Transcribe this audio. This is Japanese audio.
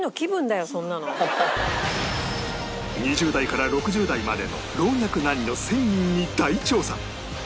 ２０代から６０代までの老若男女１０００人に大調査